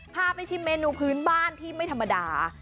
พาไปชิมเมนูพื้นบ้านที่ไม่ธรรมดา